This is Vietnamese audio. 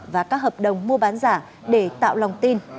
và các hợp đồng mua bán giả để tạo lòng tin